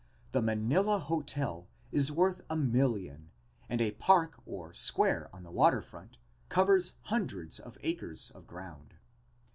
The Manila Hotel is worth a million and a park or square on the water front covers hundreds of acres of ground.